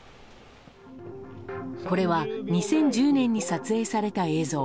これは２０１０年に撮影された映像。